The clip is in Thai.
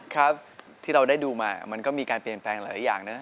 ครับที่เราได้ดูมามันก็มีการเปลี่ยนแปลงหลายอย่างนะ